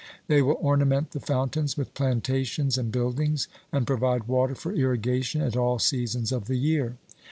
They will ornament the fountains with plantations and buildings, and provide water for irrigation at all seasons of the year.